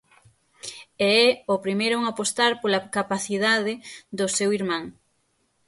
E é o primeiro en apostar pola capacidade do seu irmán.